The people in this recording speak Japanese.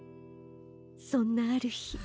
そんなあるひ。